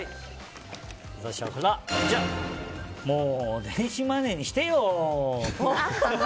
私はもう電子マネーにしてよ！